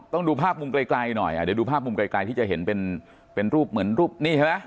ต้องดูภาพมุมไกลหน่อยเดี๋ยวดูภาพมุมไกลที่จะเห็นเป็นรูปเหมือนรูปนี่ใช่ไหม